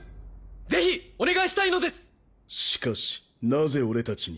ぜひお願いしたいのですしかしなぜ俺達に？